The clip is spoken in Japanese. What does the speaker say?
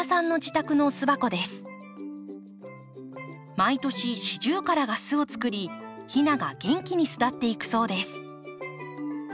毎年シジュウカラが巣を作りひなが元気に巣立っていくそうです。